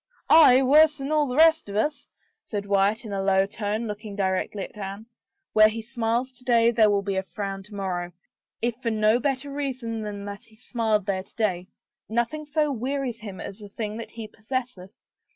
" Aye, worse than all the rest of us," said Wyatt in a low tone, looking directly at Anne. " Where he smiles to day, there will be frown to morrow — if for no better reason than that he smiled there to day! ... Nothing so wearies him as the thing that he possesseth.